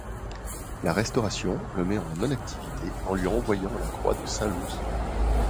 La Restauration le met en non-activité en lui envoyant la croix de Saint-Louis.